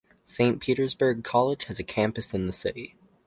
Saint Petersburg College has a campus in the city.